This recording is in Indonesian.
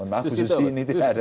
mohon maaf susi ini tidak ada